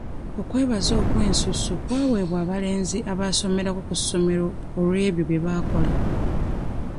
Okwebaza okwensuso kwawebwa abalenzi abaasomerako mu ssomero olw'ebyo bye baakola.